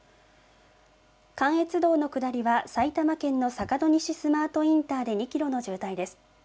関越道の下りは、埼玉県の坂戸西スマートインターで２キロの渋滞です。